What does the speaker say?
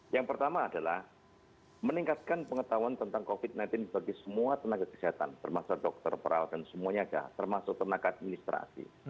yang pertama adalah meningkatkan pengetahuan tentang covid sembilan belas bagi semua tenaga kesehatan termasuk dokter peralatan semuanya termasuk tenaga administrasi